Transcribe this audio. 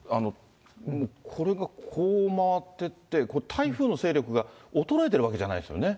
これがこう回ってって、台風の勢力が衰えてるわけじゃないですよね。